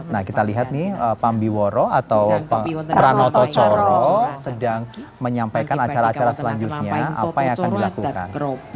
nah kita lihat nih pambiworo atau pak pranoto colo sedang menyampaikan acara acara selanjutnya apa yang akan dilakukan